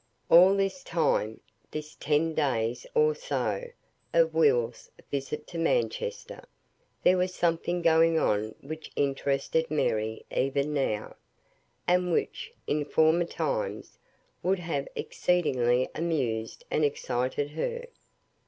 All this time, this ten days or so, of Will's visit to Manchester, there was something going on which interested Mary even now, and which, in former times, would have exceedingly amused and excited her.